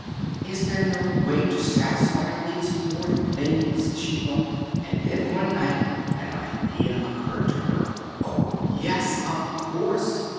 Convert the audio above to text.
'Is there no way of satisfying these poor things?' she thought. And then one night an idea occurred to her. 'Oh, yes, of course!